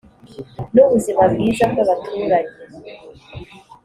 n ubuzima bwiza bw abaturage